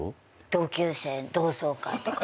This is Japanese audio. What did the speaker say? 同級生同窓会とか。